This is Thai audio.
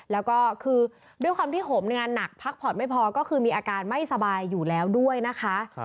แล้วก็คือด้วยความที่ผมงานหนักพักผ่อนไม่พอก็คือมีอาการไม่สบายอยู่แล้วด้วยนะคะ